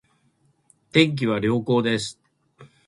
天気は良好です